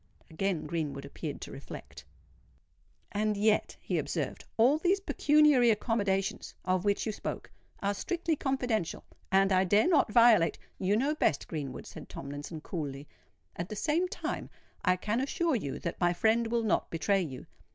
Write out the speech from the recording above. Again Greenwood appeared to reflect. "And yet," he observed, "all these pecuniary accommodations of which you spoke, are strictly confidential; and I dare not violate——" "You know best, Greenwood," said Tomlinson, coolly. "At the same time, I can assure you that my friend will not betray you.